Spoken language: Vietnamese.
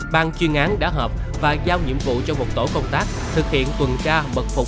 ban chuyên án đã hợp và giao nhiệm vụ cho một tổ công tác thực hiện tuần tra bật phục